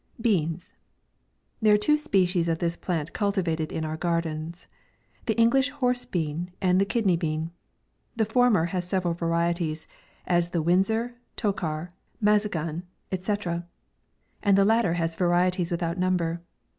BEANS. There are two species of this plant culti vated in our gardens : the English horse bean, and the kidney bean. The former has seve ral varieties, as the Windsor, Tokar, Maza gan, &c. ; and the latter has varieties with out number.